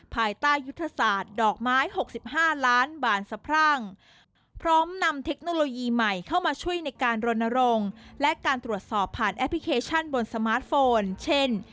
ภายใต้ยุทธศาสตร์ดอกไม้๖๕ล้านบาทสะพรั่งพร้อมนำเทคโนโลยีใหม่เข้ามาช่วยในการรณรงค์และการตรวจสอบผ่านแอปพลิเคชันบนสมาร์ทโฟนเช่น